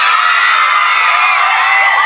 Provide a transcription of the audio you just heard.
เย้